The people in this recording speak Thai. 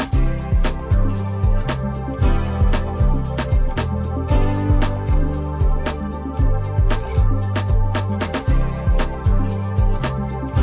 สวัสดีครับสวัสดีครับ